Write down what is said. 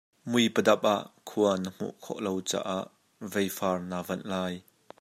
Mui padap ah khua na hmuh khawh lo caah vei faar naa vanh lai.